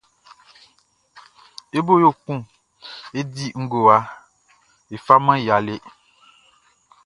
E bo yo kun e di ngowa, e faman ya lɛ.